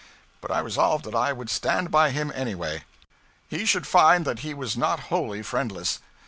But I resolved that I would stand by him any way. He should find that he was not wholly friendless.